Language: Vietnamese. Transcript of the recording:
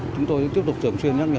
chúng tôi tiếp tục trưởng truyền nhắc nhở